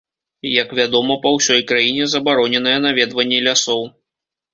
Як вядома, па ўсёй краіне забароненае наведванне лясоў.